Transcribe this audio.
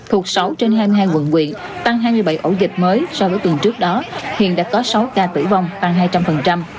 hơn hai quận quyện tăng hai mươi bảy ổ dịch mới so với tuần trước đó hiện đã có sáu ca tử vong tăng hai trăm linh